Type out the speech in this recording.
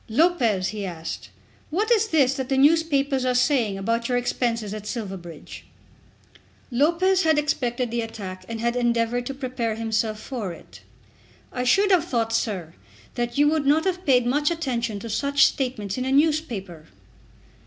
"Lopez," he asked, "what is this that the newspapers are saying about your expenses at Silverbridge?" Lopez had expected the attack and had endeavoured to prepare himself for it. "I should have thought, sir, that you would not have paid much attention to such statements in a newspaper."